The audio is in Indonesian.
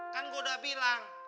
kan gua udah bilang